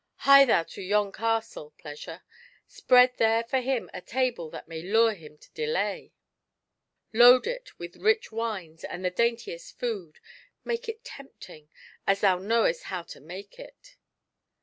" Hie thou to yon castle. Pleasure; spread there for him a table that may lure him to delay ; load it with rich wines and the daintiest food; make it tempting, as thou knowest how to make it."